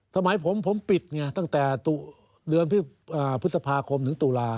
สมัยผมผมปิดไงตั้งแต่เดือนพฤษภาคมถึงตุลา